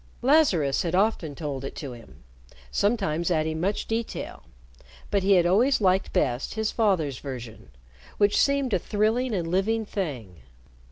Lazarus had often told it to him, sometimes adding much detail, but he had always liked best his father's version, which seemed a thrilling and living thing.